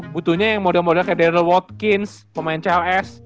butuhnya yang model model kayak daryl watkins pemain cls